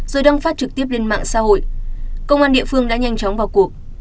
rồi đăng phát trực tiếp lên mạng xã hội công an địa phương đã nhanh chóng vào cuộc